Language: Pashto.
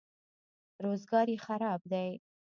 روزګار یې خراب دی.